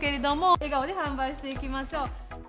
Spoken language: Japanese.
笑顔で販売していきましょう。